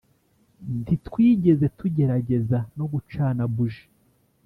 Ntitwigeze tugerageza no gucana buji